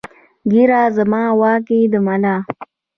ږیره زما واک یې د ملا!